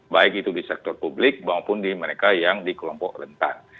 baik itu di sektor publik maupun di mereka yang di kelompok rentan